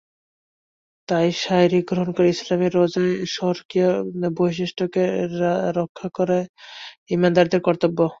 তাই সাহরি গ্রহণ করে ইসলামি রোজার স্বকীয় বৈশিষ্ট্যকে রক্ষা করা ইমানদারদের কর্তব্য।